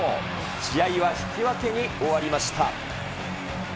試合は引き分けに終わりました。